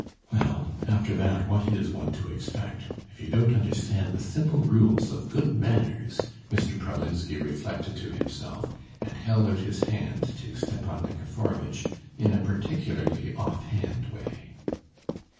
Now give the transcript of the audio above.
"Well ... after that what is one to expect ... if you don't understand the simple rules of good manners...." Mr. Pralinsky reflected to himself, and held out his hand to Stepan Nikiforovitch in a particularly offhand way.